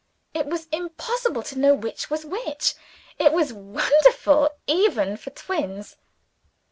It was impossible to know which was which it was wonderful, even for twins.